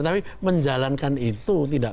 tapi menjalankan itu tidak